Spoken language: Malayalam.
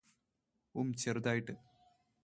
ഉം ചെറുതായിട്ട്